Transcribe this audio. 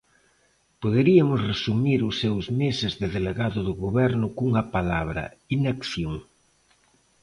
Poderiamos resumir os seus meses de delegado do Goberno cunha palabra: inacción.